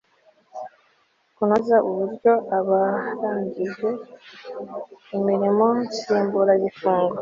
kunoza uburyo abarangije imirimo nsimbura gifungo